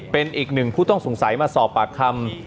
เป็นอีกหนึ่งผู้ต้องสงสัยมาสอบปากคำ